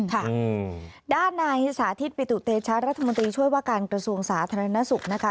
ค่ะด้านนายสาธิตปิตุเตชะรัฐมนตรีช่วยว่าการกระทรวงสาธารณสุขนะคะ